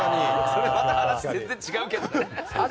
それはまた全然話が違うけどね。